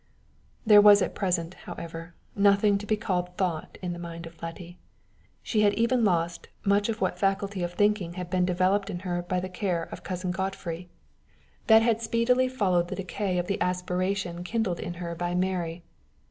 There was at present, however, nothing to be called thought in the mind of Letty. She had even lost much of what faculty of thinking had been developed in her by the care of Cousin Godfrey. That had speedily followed the decay of the aspiration kindled in her by Mary.